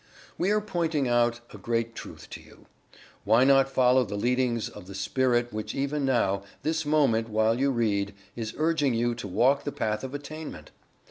We are pointing out a great truth to you. Why not follow the leadings of the Spirit which even now this moment while you read is urging you to walk The Path of Attainment?